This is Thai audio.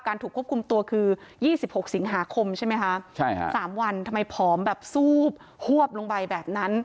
ถูกควบคุมตัวคือ๒๖สิงหาคมใช่ไหมคะ๓วันทำไมผอมแบบซูบฮวบลงไปแบบนั้น